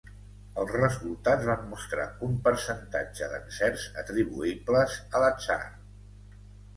Els resultats van mostrar un percentatge d'encerts atribuïbles a l'atzar.